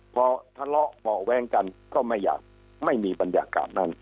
พอทะเลาะเบาะแว้งกันก็ไม่อยากไม่มีบรรยากาศนั้น